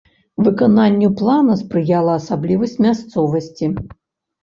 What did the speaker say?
Выкананню плана спрыяла асаблівасць мясцовасці.